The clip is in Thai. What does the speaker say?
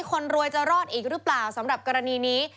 คนรวยจะรอดอีกหรือเปล่าสำหรับกรณีนี้